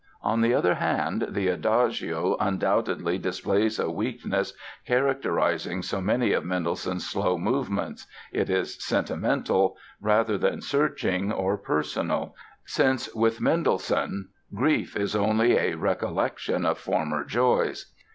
On the other hand, the Adagio undoubtedly displays a weakness characterizing so many of Mendelssohn's slow movements—it is sentimental rather than searching or personal, since with Mendelssohn grief is "only a recollection of former joys".